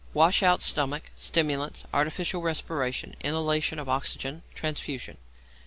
_ Wash out stomach; stimulants, artificial respiration, inhalation of oxygen, transfusion.